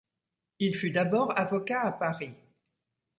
Il fut d'abord avocat à Paris.